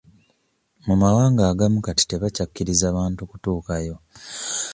Mu mawanga agamu kati tebakyakkiriza bantu kutuukayo.